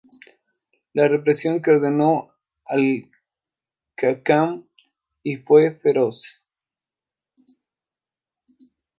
La represión que ordenó Al-Hakam I fue feroz.